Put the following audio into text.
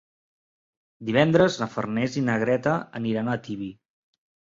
Divendres na Farners i na Greta aniran a Tibi.